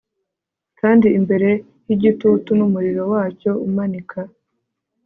kandi imbere yigitutu n'umuriro wacyo umanika